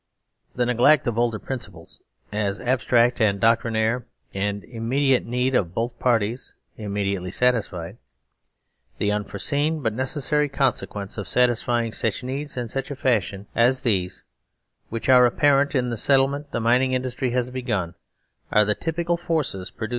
The neglect of older principles as abstract and doc trinaire; the immediate need of both parties immedi ately satisfied ; the unforeseen but necessary conse quence of satisfying such needs in such a fashion all these, which are apparent in the settlement the mining industry has begun, are the typical forces pro ducing the Servile State.